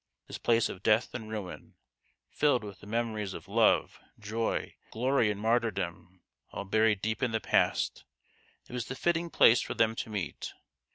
This place of death and ruin, filled with the memories of love, joy, glory, and martyrdom, all buried deep in the past, it was the fitting place for them to meet.